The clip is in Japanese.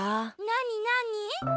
なになに？